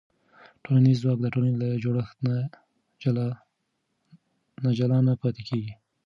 ټولنیز ځواک د ټولنې له جوړښت نه جلا نه پاتې کېږي.